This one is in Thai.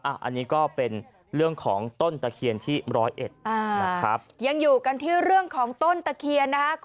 อันนี้ก็เป็นเรื่องของต้นตะเคียนที่ร้อยเอ็ดนะครับยังอยู่กันที่เรื่องของต้นตะเคียนนะคะ